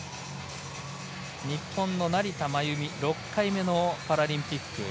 日本の成田真由美６回目のパラリンピック。